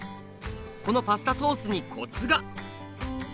このパスタソースにコツが！